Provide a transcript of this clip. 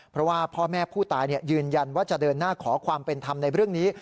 เพราะว่าพ่อแม่ผู้ตายยืนยันว่าจะเดินหน้าขอความเป็นธรรมในเรื่องนี้